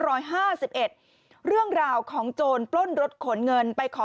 ร้อยห้าสิบเอ็ดเรื่องราวของโจรปล้นรถขนเงินไปขอ